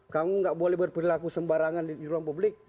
kamu nggak boleh berperilaku sembarangan di ruang publik